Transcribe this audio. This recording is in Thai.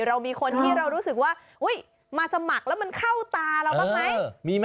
เรามีคนที่เรารู้สึกว่ามาสมัครแล้วมันเข้าตาเราบ้างไหม